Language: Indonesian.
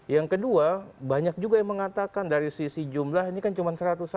yang kedua banyak juga yang mengatakan dari sisi jumlah ini kan cuma satu ratus satu